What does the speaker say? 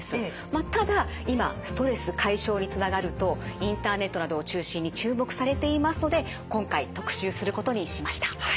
ただ今ストレス解消につながるとインターネットなどを中心に注目されていますので今回特集することにしました。